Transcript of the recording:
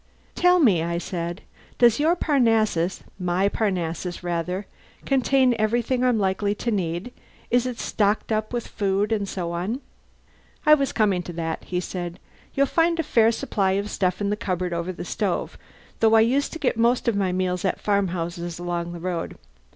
"Tell me," I said, "does your Parnassus my Parnassus, rather contain everything I'm likely to need? Is it stocked up with food and so on?" "I was coming to that," he said. "You'll find a fair supply of stuff in the cupboard over the stove, though I used to get most of my meals at farmhouses along the road.